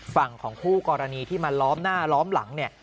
ฝั่งของคู่กรณีที่มาล้อมหน้าล้อมหลังเนี่ย